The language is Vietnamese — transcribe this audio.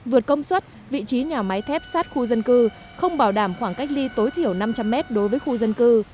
vượt công suất vị trí nhà máy thép sát khu dân cư không bảo đảm khoảng cách ly tối thiểu năm trăm linh m đối với khu dân cư